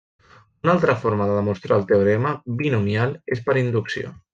Una altra forma de demostrar el teorema binomial és per inducció.